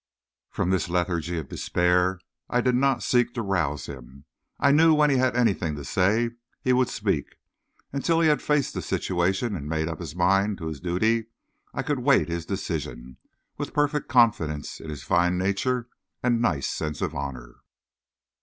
From this lethargy of despair I did not seek to rouse him. I knew when he had anything to say he would speak, and till he had faced the situation and had made up his mind to his duty, I could wait his decision with perfect confidence in his fine nature and nice sense of honor.